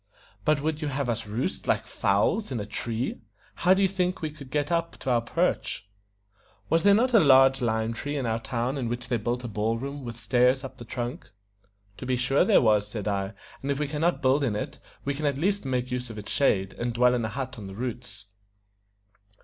"But would you have us roost, like fowls, in a tree? How do you think we could get up to our perch?" "Was there not a large lime tree in our town in which they built a ball room, with stairs up the trunk?" "To be sure there was," said I; "and if we can not build in it, we can at least make use of its shade, and dwell in a hut on the roots."